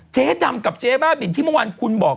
เจ๊ดำกับเจ๊บ้าบินที่เมื่อวานคุณบอก